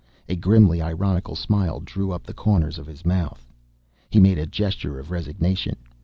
A grimly ironical smile drew up the corners of his mouth. He made a gesture of resignation.